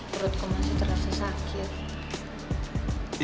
perutku masih terasa sakit